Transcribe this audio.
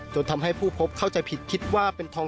จนทำให้ผู้พบเข้าใจผิดคิดว่าเป็นทอง